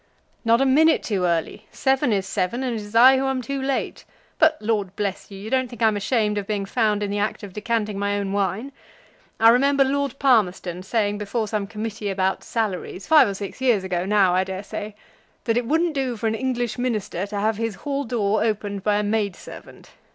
"Not a minute too early. Seven is seven, and it is I who am too late. But, Lord bless you, you don't think I'm ashamed of being found in the act of decanting my own wine! I remember Lord Palmerston saying before some committee about salaries, five or six years ago now, I daresay, that it wouldn't do for an English Minister to have his hall door opened by a maid servant.